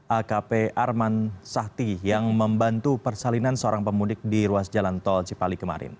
akp arman sahti yang membantu persalinan seorang pemudik di ruas jalan tol cipali kemarin